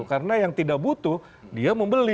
karena yang tidak butuh dia membeli